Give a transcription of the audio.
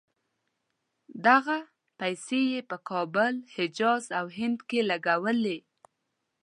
دغه پیسې یې په کابل، حجاز او هند کې لګولې.